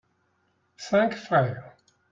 Cinq frères.